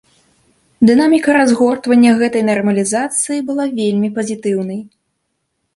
Дынаміка разгортвання гэтай нармалізацыі была вельмі пазітыўнай.